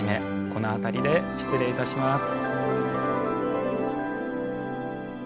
この辺りで失礼します。